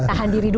tahan diri dulu